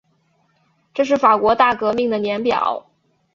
这是法国大革命的年表